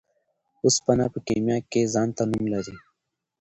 اوسپنه په کيميا کي ځانته نوم لري .